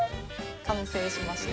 完成しました。